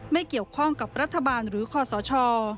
ไม่เกี่ยวข้องกับรัฐบาลหรือคอสช